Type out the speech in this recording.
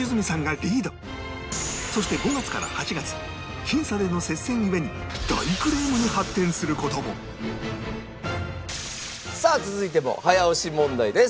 そして５月から８月僅差での接戦ゆえに大クレームに発展する事もさあ続いても早押し問題です。